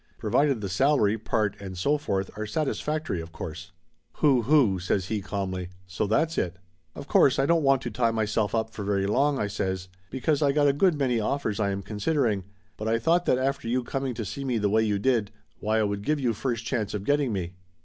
Provided the salary, part and so forth, are satisfac tory, of course." "Huhu !" says he calmly. "So that's it!" "Of course I don't want to tie myself up for very long," I says, "because I got a good many offers I am considering, but I thought that after you coming to see me the way you did, why I would give you first chance of getting me."